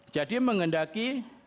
jadi mengendaki dan mengetahui